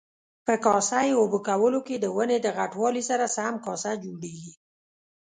په کاسه یي اوبه کولو کې د ونې د غټوالي سره سم کاسه جوړیږي.